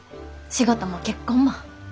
仕事も結婚も。